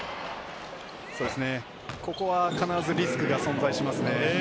ここは必ずリスクが存在しますね。